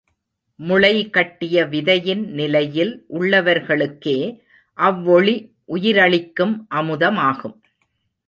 முளைகட்டிய விதையின் நிலையில் உள்ளவர்களுக்கே அவ்வொளி உயிரளிக்கும் அமுதமாகும்.